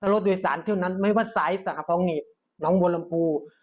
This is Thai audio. รถโดยสารเที่ยวนั้นไม่ว่าสายสหภัณฑ์นิบน้องวลัมพู